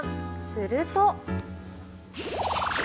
すると。